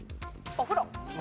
お風呂。